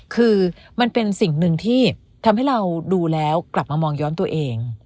คือมันเป็นสิ่งหนึ่งที่ทำให้เราดูแล้วกลับมามองย้อนตัวเอง